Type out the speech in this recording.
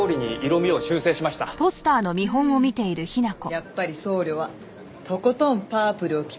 やっぱり僧侶はとことんパープルを基調にしなきゃ。